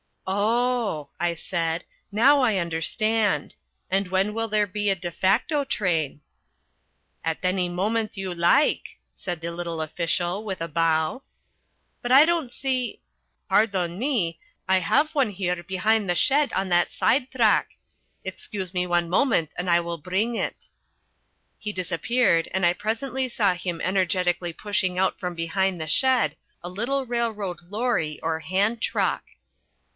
"Oh," I said. "Now I understand. And when will there be a de facto train?" "At any moment you like," said the little official with a bow. "But I don't see " "Pardon me, I have one here behind the shed on that side track. Excuse me one moment and I will bring it." He disappeared and I presently saw him energetically pushing out from behind the shed a little railroad lorry or hand truck.